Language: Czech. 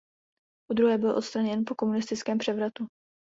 Podruhé byl odstraněn po komunistickém převratu.